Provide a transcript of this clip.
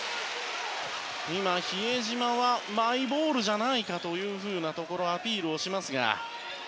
比江島はマイボールじゃないかとアピールしますが。